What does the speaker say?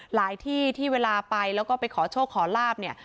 ที่ที่เวลาไปแล้วก็ไปขอโชคขอลาบเนี่ย